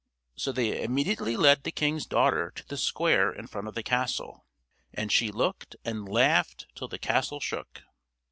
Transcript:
So they immediately led the king's daughter to the square in front of the castle, and she looked and laughed till the castle shook.